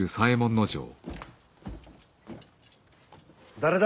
誰だ。